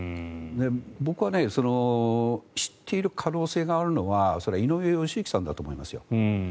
僕は知っている可能性があるのは井上義行さんだと思いますよ。